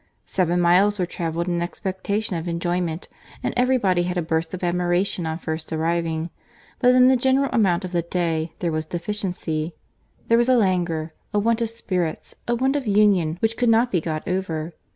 Seven miles were travelled in expectation of enjoyment, and every body had a burst of admiration on first arriving; but in the general amount of the day there was deficiency. There was a languor, a want of spirits, a want of union, which could not be got over.